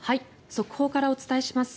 速報からお伝えします。